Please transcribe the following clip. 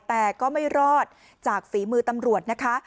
แต่ก็ไม่รอดจากฝีมือตำรวจนะคะ